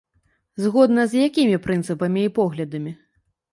Згодна з якімі прынцыпамі і поглядамі?